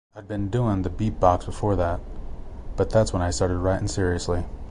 I'd been doin' the beatbox before that, but that's when I started writin' seriously.